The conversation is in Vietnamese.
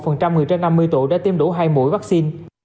bảy mươi sáu một mươi một người trên năm mươi tuổi đã tiêm đủ hai mũi vaccine